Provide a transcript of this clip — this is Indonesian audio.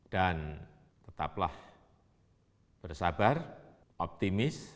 dan tetaplah bersabar optimis